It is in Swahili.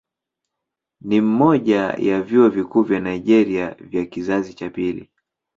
Ni mmoja ya vyuo vikuu vya Nigeria vya kizazi cha pili.